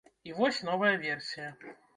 І вось новая версія.